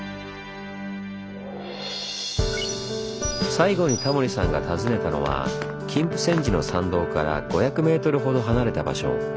最後にタモリさんが訪ねたのは金峯山寺の参道から５００メートルほど離れた場所。